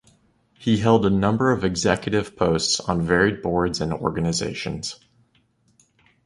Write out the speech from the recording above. He held a number of executive posts on varied boards and organizations.